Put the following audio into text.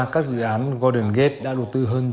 các dự án golden gate đã đầu tư hơn